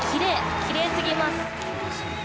きれいすぎます！